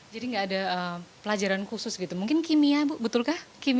jadi enggak ada pelajaran khusus gitu mungkin kimia betulkah